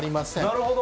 なるほど。